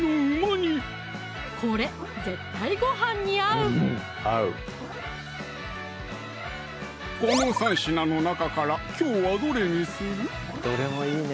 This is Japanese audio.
これ絶対ごはんに合うこの３品の中からきょうはどれにする？